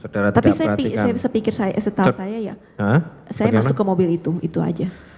tapi saya pikir setahu saya ya saya masuk ke mobil itu itu aja